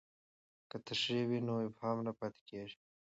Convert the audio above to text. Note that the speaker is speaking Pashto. که تشریح وي نو ابهام نه پاتې کیږي.